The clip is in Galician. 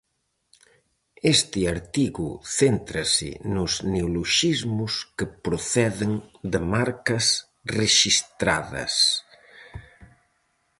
Este artigo céntrase nos neoloxismos que proceden de marcas rexistradas.